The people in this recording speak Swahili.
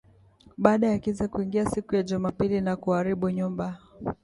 baada ya kiza kuingia siku ya Jumapili na kuharibu nyumba